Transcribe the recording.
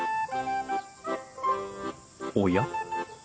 おや？